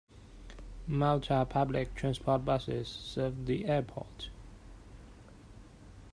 Malta Public Transport buses serve the airport.